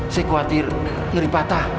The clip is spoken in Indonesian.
saya khawatir ngeri patah